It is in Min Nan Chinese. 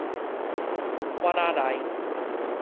挖仔內